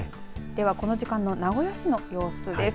では、この時間の名古屋市の様子です。